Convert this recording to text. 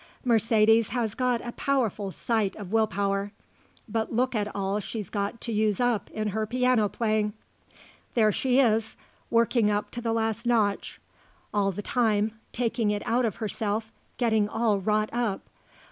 Mercedes has got a powerful sight of will power; but look at all she's got to use up in her piano playing. There she is, working up to the last notch all the time, taking it out of herself, getting all wrought up.